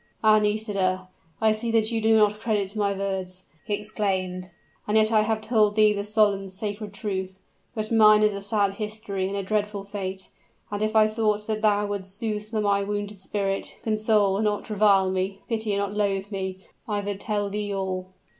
"Ah! Nisida, I see that you do not credit my words," he exclaimed; "and yet I have told thee the solemn, sacred truth. But mine is a sad history and a dreadful fate; and if I thought that thou would'st soothe my wounded spirit, console, and not revile me, pity, and not loathe me, I would tell thee all."